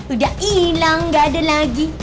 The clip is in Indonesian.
udah hilang gak ada lagi